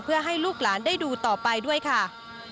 เพื่อให้ลูกหลานได้ดูต่อไปด้วยค่ะ